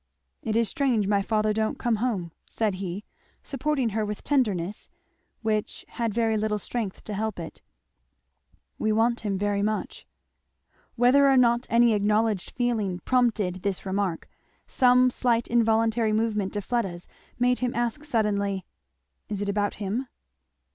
"It is strange my father don't come home," said he, supporting her with tenderness which had very little strength to help it, "we want him very much." Whether or not any unacknowledged feeling prompted this remark, some slight involuntary movement of Fleda's made him ask suddenly, "Is it about him?"